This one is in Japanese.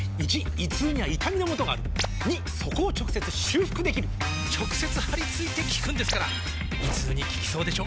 ①胃痛には痛みのもとがある②そこを直接修復できる直接貼り付いて効くんですから胃痛に効きそうでしょ？